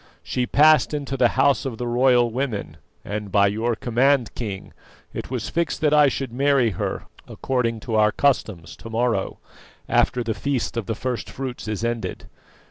She passed into the House of the Royal Women, and, by your command, King, it was fixed that I should marry her according to our customs to morrow, after the feast of the first fruits is ended.